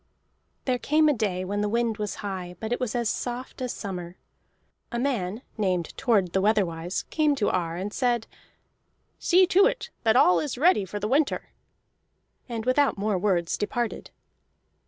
There came a day when the wind was high, but it was as soft as summer. A man named Thord the Weatherwise came to Ar and said: "See to it that all is ready for the winter!" and without more words departed.